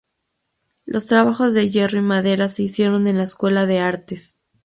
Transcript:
Los trabajos de hierro y madera se hicieron en la Escuela de Artes.